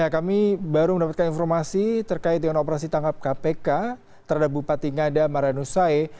kami baru mendapatkan informasi terkait dengan operasi tangkap kpk terhadap bupati ngada marianusae